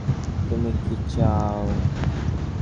তুমি কি চাও?